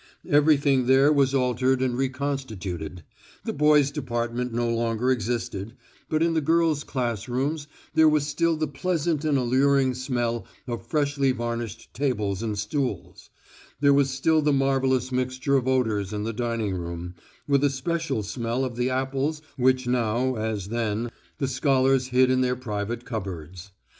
Everything there was altered and reconstituted; the boys' department no longer existed, but in the girls' class rooms there was still the pleasant and alluring smell of freshly varnished tables and stools; there was still the marvellous mixture of odours in the dining room, with a special smell of the apples which now, as then, the scholars hid in their private cupboards.